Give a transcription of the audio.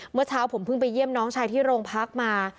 เมื่อเช้าผมเพิ่งไปเยี่ยมน้องชายที่โรงพักมา